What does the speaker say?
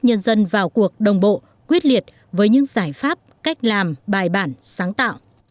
nhân dân vào cuộc đồng bộ quyết liệt với những giải pháp cách làm bài bản sáng tạo